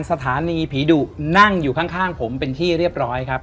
สถานีผีดุนั่งอยู่ข้างผมเป็นที่เรียบร้อยครับ